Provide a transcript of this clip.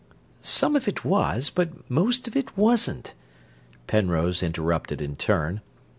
"Some of it was, but most of it wasn't," Penrose interrupted in turn.